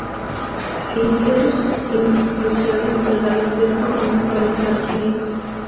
Inició sus inclusiones al baloncesto cuando estaba en Estados Unidos.